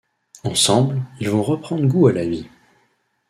Ensemble, ils vont reprendre goût à la vie.